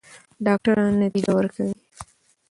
ډاکټره نتیجه ورکوي.